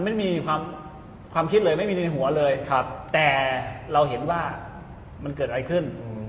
ไม่มีความคิดเลยไม่มีในหัวเลยแต่เราเห็นว่ามันเกิดอะไรขึ้น